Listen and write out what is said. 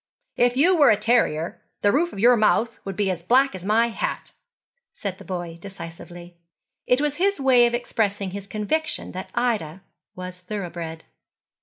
'If you were a terrier, the roof of your mouth would be as black as my hat,' said the boy decisively. It was his way of expressing his conviction that Ida was thoroughbred.